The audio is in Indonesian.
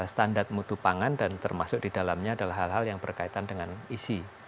standar mutu pangan dan termasuk di dalamnya adalah hal hal yang berkaitan dengan isi